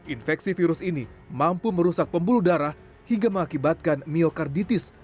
infeksi virus ini mampu merusak pembuluh darah hingga mengakibatkan myokarditis